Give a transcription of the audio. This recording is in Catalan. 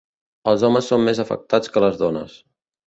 Els homes són més afectats que les dones.